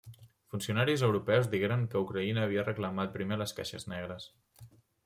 Funcionaris europeus digueren que Ucraïna havia reclamat primer les caixes negres.